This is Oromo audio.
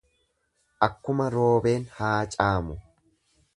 Akkuma roobeen haacaamu.